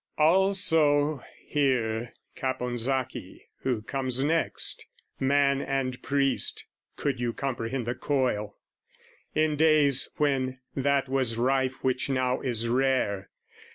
Also hear Caponsacchi who comes next, Man and priest could you comprehend the coil! In days when that was rife which now is rare.